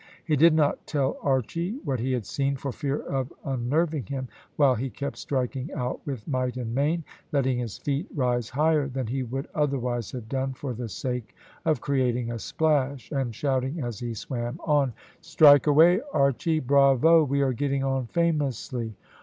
He did not tell Archy what he had seen, for fear of unnerving him, while he kept striking out with might and main, letting his feet rise higher than he would otherwise have done for the sake of creating a splash, and shouting as he swam on "Strike away, Archy. Bravo! We are getting on famously."